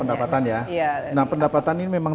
pendapatan ya nah pendapatan ini memang